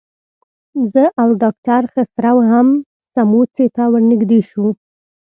زه او ډاکټر خسرو هم سموڅې ته ورنږدې شو.